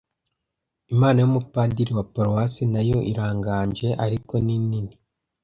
imana yumupadiri wa paruwasi nayo iraganje ariko ni nini